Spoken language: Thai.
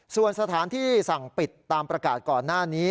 ส่วนสถานที่สั่งปิดตามประกาศก่อนหน้านี้